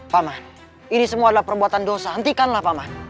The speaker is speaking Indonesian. paman ini semua adalah perbuatan dosa hentikanlah paman